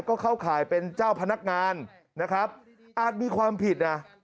ก็เข้าข่ายเป็นเจ้าพนักงานนะครับอาจมีความผิดนะ